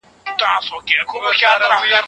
ډیپلوماسي د هېواد د وقار د ساتلو وسیله ده.